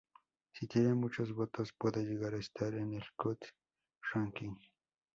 Si tiene muchos votos puede llegar a estar en el "cute ranking".